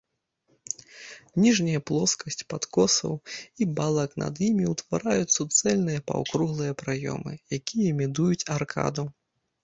Ніжняя плоскасць падкосаў і балак над імі ўтвараюць суцэльныя паўкруглыя праёмы, якія імітуюць аркаду.